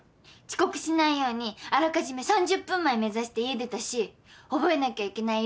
遅刻しないようにあらかじめ３０分前目指して家出たし覚えなきゃいけない